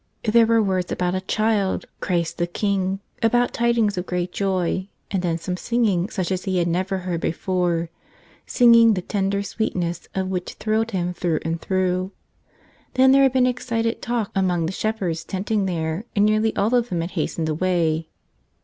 There were words about a Child, Christ the King, about tidings of great joy, and then some singing such as he had never heard before — singing the tender sweetness of which thrilled him through and through. Then there had been excited talk among the shepherds tenting there and nearly all of them had hastened away.